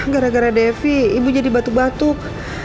gara gara devi ibu jadi batuk batuk